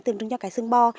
tương trứng cho cái sương bo